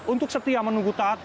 untuk setia menunggu taat